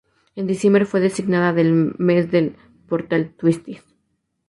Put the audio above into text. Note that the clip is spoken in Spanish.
En diciembre fue designada del mes del portal Twistys.